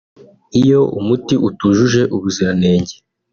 Iyo umuti utujuje ubuziranenge